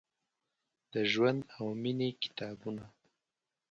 د ژوند او میینې کتابونه ،